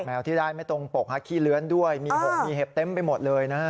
แมวที่ได้ไม่ตรงโปรกค่ะขี้เลื้อนด้วยมีเห็บเต็มไปหมดเลยนะ